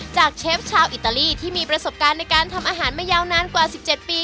เชฟชาวอิตาลีที่มีประสบการณ์ในการทำอาหารมายาวนานกว่า๑๗ปี